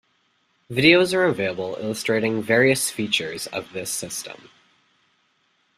Videos are available illustrating various features of this system.